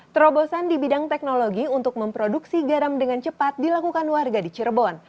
terobosan di bidang teknologi untuk memproduksi garam dengan cepat dilakukan warga di cirebon